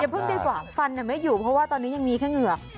อย่าเพิ่งดีกว่าฟันนั้นไม่อยู่เพราะว่าตอนนี้ยังมีแค่เหงื่อ